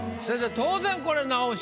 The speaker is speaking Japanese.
当然これ直しは。